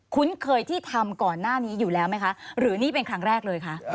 คุ้นเคยที่ทำก่อนหน้านี้อยู่แล้วไหมคะหรือนี่เป็นครั้งแรกเลยคะ